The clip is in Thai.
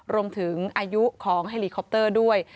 รวมถึงอายุของเฮลีคอปเตอร์ด้วย